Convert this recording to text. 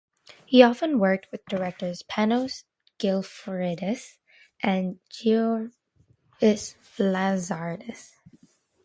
He often worked with directors Panos Glykofridis and Giorgos Lazaridis.